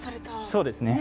そうですね。